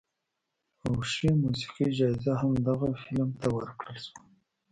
او ښې موسیقۍ جایزه هم دغه فلم ته ورکړل شوه.